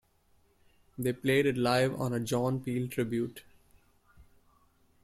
They played it live on a John Peel tribute.